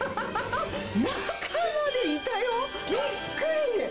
中までいたよ、びっくり！